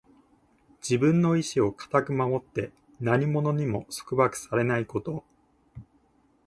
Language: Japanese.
自分の意志を固く守って、何者にも束縛されないこと。